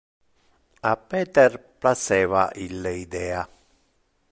A Peter placeva ille idea.